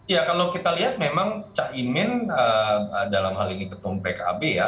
ya kalau kita lihat memang caimin dalam hal ini ketum pkb ya